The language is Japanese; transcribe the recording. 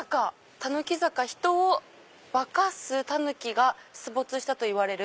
「たぬきざか人をばかすたぬきが出没したといわれる。